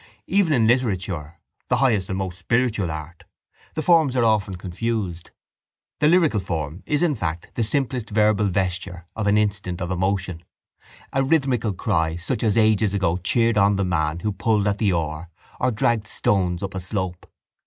Even in literature, the highest and most spiritual art, the forms are often confused. The lyrical form is in fact the simplest verbal vesture of an instant of emotion, a rhythmical cry such as ages ago cheered on the man who pulled at the oar or dragged stones up a slope.